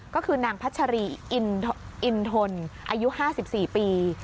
ก็คือนางพัชรีอินทนอายุ๕๔ปี